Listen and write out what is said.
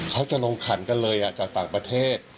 เขาจะลงขันกันเลยจากต่างประเทศ